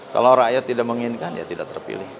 kalau rakyat tidak menginginkan ya tidak terpilih